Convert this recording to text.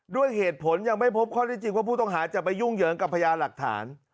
ด้วยเหตุผลยังไม่พบข้อได้จริงว่าผู้ต้องหาจะไปยุ่งเหยิงกับพญาหลักฐาน